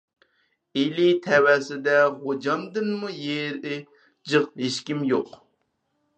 ئىلى تەۋەسىدە غوجامدىنمۇ يېرى جىق ھېچكىم يوق.